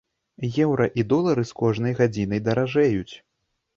Еўра і долары з кожнай гадзінай даражэюць.